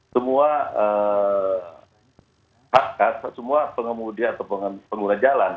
semua hak hak semua pengguna jalan